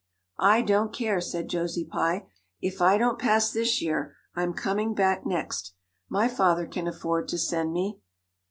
"I don't care," said Josie Pye. "If I don't pass this year I'm coming back next. My father can afford to send me.